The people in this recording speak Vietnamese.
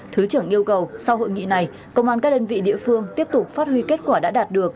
thứ trưởng yêu cầu sau hội nghị này công an các đơn vị địa phương tiếp tục phát huy kết quả đã đạt được